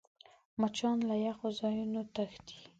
مچان له یخو ځایونو تښتي